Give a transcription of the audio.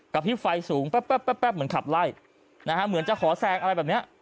กับที่ไฟสูงแป๊บแป๊บแป๊บแป๊บเหมือนขับไล่นะฮะเหมือนจะขอแซงอะไรแบบเนี้ย